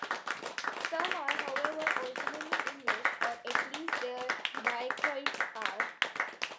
Some are however originally English, or at least their diacritics are.